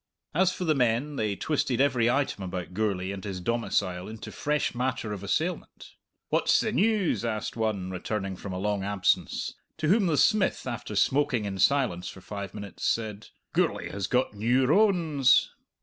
As for the men, they twisted every item about Gourlay and his domicile into fresh matter of assailment. "What's the news?" asked one, returning from a long absence; to whom the smith, after smoking in silence for five minutes, said, "Gourlay has got new rones!"